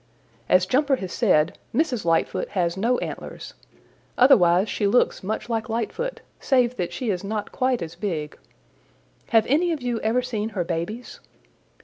"As Jumper has said, Mrs. Lightfoot has no antlers. Otherwise she looks much like Lightfoot, save that she is not quite as big. Have any of you ever seen her babies?"